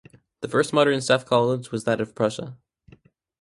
The first modern staff college was that of Prussia.